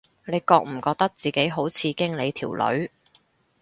你覺唔覺得自己好似經理條女